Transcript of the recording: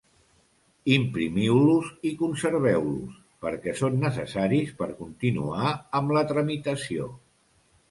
Imprimiu-los i conserveu-los perquè són necessaris per continuar amb la tramitació.